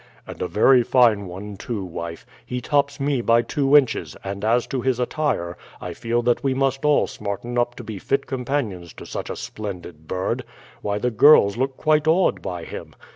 "And a very fine one too, wife. He tops me by two inches; and as to his attire, I feel that we must all smarten up to be fit companions to such a splendid bird. Why, the girls look quite awed by him!"